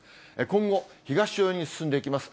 今後、東寄りに進んでいきます。